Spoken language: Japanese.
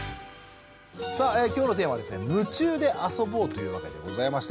さあ今日のテーマは「夢中であそぼう」というわけでございまして。